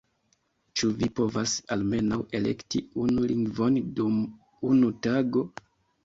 — Ĉu vi povas almenaŭ elekti unu lingvon dum unu tago?!